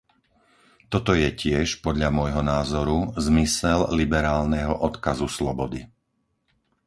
Toto je tiež, podľa môjho názoru, zmysel liberálneho odkazu slobody.